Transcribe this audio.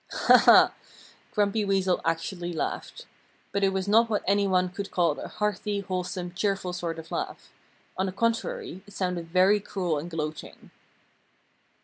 "Ha, ha!" Grumpy Weasel actually laughed. But it was not what any one could call a hearty, wholesome, cheerful sort of laugh. On the contrary, it sounded very cruel and gloating.